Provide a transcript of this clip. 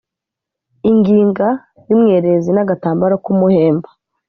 ingiga y umwerezi n agatambaro k umuhemba